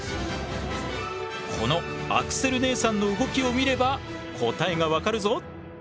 このアクセル姉さんの動きを見れば答えが分かるぞ。